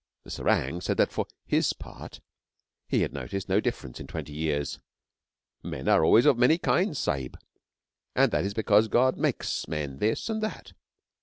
The serang said that, for his part, he had noticed no difference in twenty years. 'Men are always of many kinds, sahib. And that is because God makes men this and that.